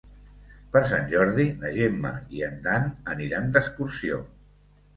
Per Sant Jordi na Gemma i en Dan aniran d'excursió.